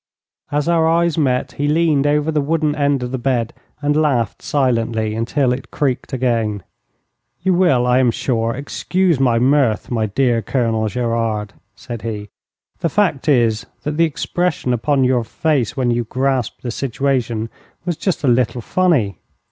As our eyes met he leaned over the wooden end of the bed and laughed silently until it creaked again. 'You will, I am sure, excuse my mirth, my dear Colonel Gerard,' said he. 'The fact is, that the expression upon your face when you grasped the situation was just a little funny.